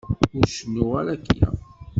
Ur cennuɣ ara akya.